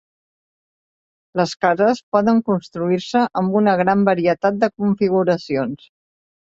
Les cases poden construir-se amb una gran varietat de configuracions.